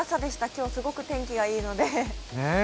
今日、すごく天気がいいのです。